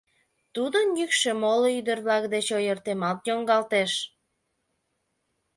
Тудын йӱкшӧ моло ӱдыр-влак деч ойыртемалт йоҥгалтеш.